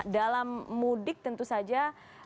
dalam mudik tentu saja